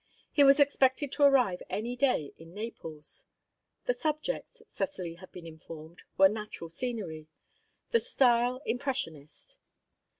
He was expected to arrive any day in Naples. The subjects, Cecily had been informed, were natural scenery; the style, impressionist.